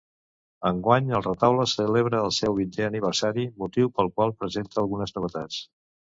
Enguany, el retaule celebra el seu vintè aniversari, motiu pel qual presenta algunes novetats.